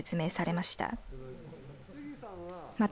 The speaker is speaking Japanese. また、